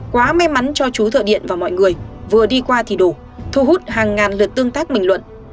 quá may mắn cho chú thợ điện và mọi người vừa đi qua thì đủ thu hút hàng ngàn lượt tương tác bình luận